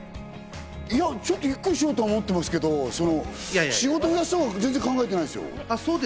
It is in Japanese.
いや、ちょっとゆっくりしようと思ってますけど、仕事のことはそんなに考えてないですよ。